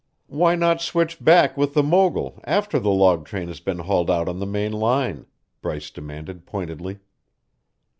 "Why not switch back with the mogul after the logtrain has been hauled out on the main line?" Bryce demanded pointedly.